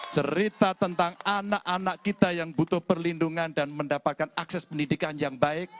cerita tentang anak anak kita yang butuh perlindungan dan mendapatkan akses pendidikan yang baik